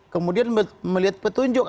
kemudian melihat petunjuk